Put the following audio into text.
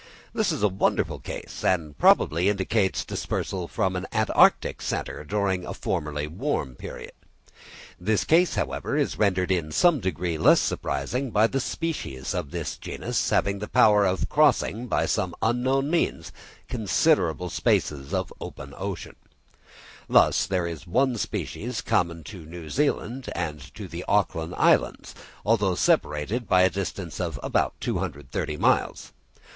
This is a wonderful case, and probably indicates dispersal from an Antarctic centre during a former warm period. This case, however, is rendered in some degree less surprising by the species of this genus having the power of crossing by some unknown means considerable spaces of open ocean: thus there is one species common to New Zealand and to the Auckland Islands, though separated by a distance of about 230 miles.